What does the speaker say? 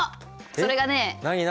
それがね